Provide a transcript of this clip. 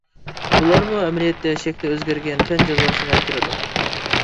بۇلارمۇ ئەمەلىيەتتە شەكلى ئۆزگەرگەن تەن جازاسىغا كىرىدۇ.